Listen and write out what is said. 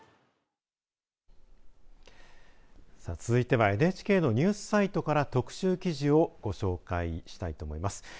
続いてはＮＨＫのニュースサイトから特集記事をご紹介したいと思います。